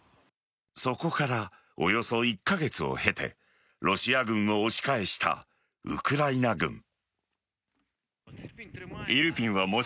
そこからおよそ１カ月を経てロシア軍を押し返したウクライナ軍。